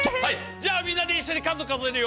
じゃあみんなで一緒に数数えるよ。